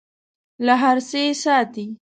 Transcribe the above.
له هر څه یې ساتي .